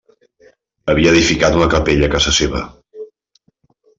Havia edificat una capella a casa seva.